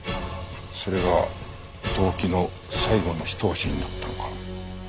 それが動機の最後の一押しになったのか。